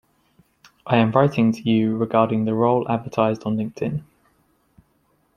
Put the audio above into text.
I am writing to you regarding the role advertised on LinkedIn.